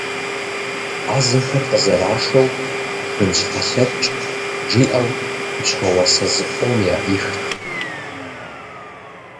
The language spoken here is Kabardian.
Ӏэзэхэр къызэрашэу «гынщхьэлъэкӏ» жиӏэу хущхъуэ уасэ зыкъом яӏихт.